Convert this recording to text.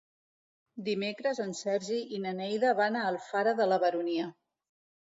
Dimecres en Sergi i na Neida van a Alfara de la Baronia.